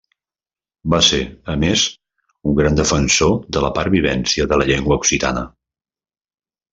Va ser, a més, un gran defensor de la pervivència de la llengua occitana.